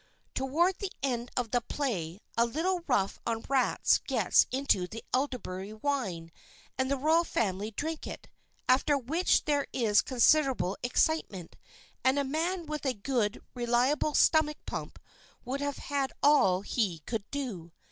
Toward the end of the play a little rough on rats gets into the elderberry wine and the royal family drink it, after which there is considerable excitement, and a man with a good, reliable stomach pump would have all he could do.